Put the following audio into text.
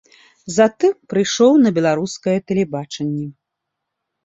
Затым прыйшоў на беларускае тэлебачанне.